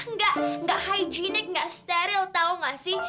nggak nggak hijenik nggak steril tau gak sih